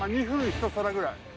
２分１皿くらい。